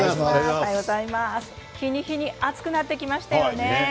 日に日に暑くなってきましたね。